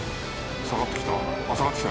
下がってきた？